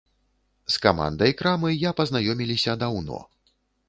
З камандай крамы я пазнаёміліся даўно.